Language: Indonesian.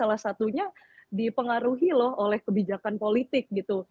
artinya dipengaruhi loh oleh kebijakan politik gitu